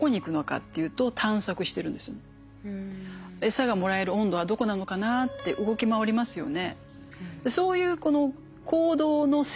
「餌がもらえる温度はどこなのかな」って動き回りますよね。